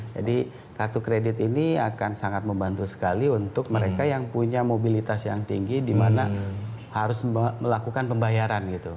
jadi kartu kredit ini akan sangat membantu sekali untuk mereka yang punya mobilitas yang tinggi dimana harus melakukan pembayaran gitu